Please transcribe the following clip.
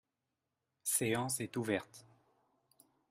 séance est ouverte.